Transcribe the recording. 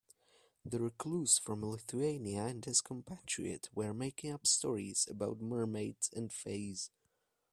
The recluse from Lithuania and his compatriot were making up stories about mermaids and fays.